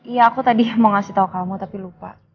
iya aku tadi mau ngasih tahu kamu tapi lupa